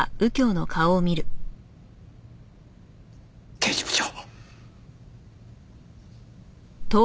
刑事部長！